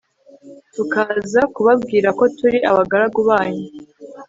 tukaza kubabwira ko turi abagaragu banyu